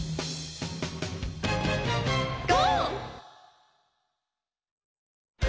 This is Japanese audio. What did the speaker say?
「ゴー！」